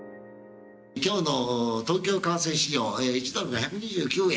今日の東京為替市場１ドル１２９円。